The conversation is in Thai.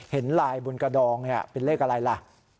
เห็นลายบนกระดองเป็นเลขอะไรล่ะ